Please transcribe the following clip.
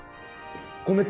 ごめん